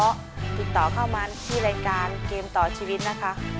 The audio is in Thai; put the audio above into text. ก็ติดต่อเข้ามาที่รายการเกมต่อชีวิตนะคะ